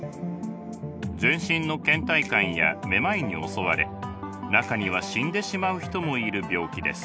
全身のけん怠感やめまいに襲われ中には死んでしまう人もいる病気です。